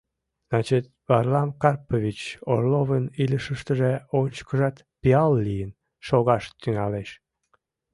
Значит, Варлам Карпович Орловын илышыштыже ончыкыжат пиал лийын шогаш тӱҥалеш!